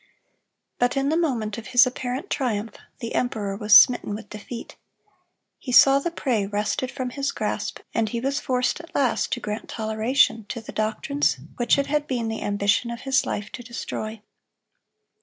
But in the moment of his apparent triumph, the emperor was smitten with defeat. He saw the prey wrested from his grasp, and he was forced at last to grant toleration to the doctrines which it had been the ambition of his life to destroy.